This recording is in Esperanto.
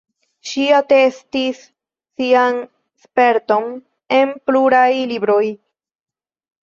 Ŝi atestis sian sperton en pluraj libroj.